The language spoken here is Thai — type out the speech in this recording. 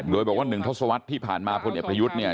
โดยบอกว่า๑ทศวรรษที่ผ่านมาพลเอกประยุทธ์เนี่ย